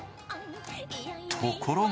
ところが